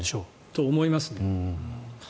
と、思いますね。